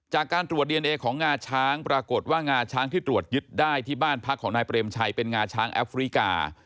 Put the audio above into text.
จากการตรวจดีเอนเอของงาช้างปรากฏว่างาช้างที่ตรวจยึดได้ที่บ้านพักของนายเปรมชัยเป็นงาช้างแอฟริกา